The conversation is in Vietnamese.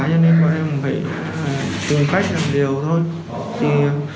cho nên bọn em phải tìm cách làm điều thôi